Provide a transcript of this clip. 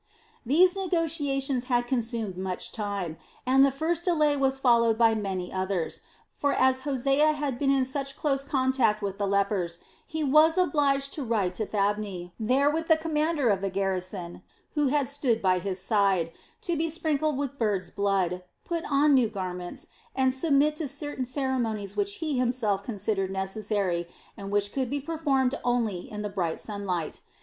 These negotiations had consumed much time, and the first delay was followed by many others; for as Hosea had been in such close contact with the lepers, he was obliged to ride to Thabne, there with the commander of the garrison, who had stood by his side, to be sprinkled with bird's blood, put on new garments, and submit to certain ceremonies which he himself considered necessary and which could be performed only in the bright sunlight.